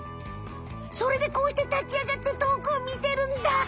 それでこうして立ちあがってとおくを見てるんだ。